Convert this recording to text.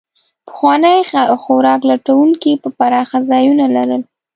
پخواني خوراک لټونکي به پراخه ځایونه لرل.